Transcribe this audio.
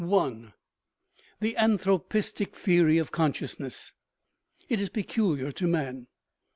I. The anthropistic theory of consciousness. It is pe culiar to man.